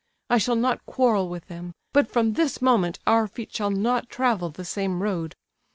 I shall not quarrel with them; but from this moment our feet shall not travel the same road.